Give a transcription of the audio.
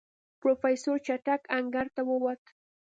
پروفيسر چټک انګړ ته ووت.